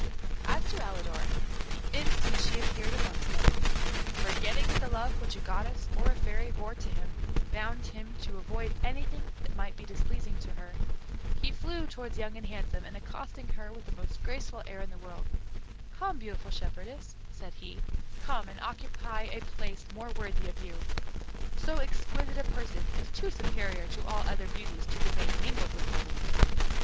As to Alidor, the instant she appeared amongst them, forgetting that the love which a goddess or a fairy bore to him bound him to avoid anything that might be displeasing to her, he flew towards Young and Handsome, and accosting her with the most graceful air in the world: "Come, beautiful shepherdess," said he, "come and occupy a place more worthy of you. So exquisite a person is too superior to all other beauties to remain mingled with them."